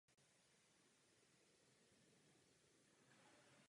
Zámecká budova neobsahuje zdivo staršího hradu ani zámku.